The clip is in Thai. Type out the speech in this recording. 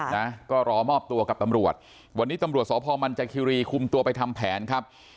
นะก็รอมอบตัวกับตำรวจวันนี้ตำรวจสพมันจคิรีคุมตัวไปทำแผนครับ